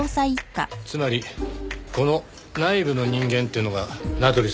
つまりこの内部の人間ってのが名取さんだと？